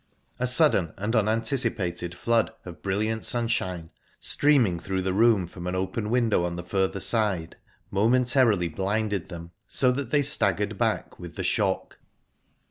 A sudden and unanticipated flood of brilliant sunshine, streaming through the room form an open window on the further side, momentarily blinded them, so that they staggered back with the shock.